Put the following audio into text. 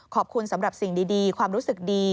ขอบคุณสำหรับสิ่งดีความรู้สึกดี